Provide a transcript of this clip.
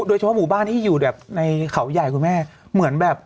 โดยเฉพาะหมู่บ้านที่อยู่แบบในเขาใหญ่คุณแม่เหมือนแบบ